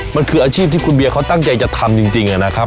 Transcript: มันคืออาชีพที่คุณเบียเขาตั้งใจจะทำจริงนะครับ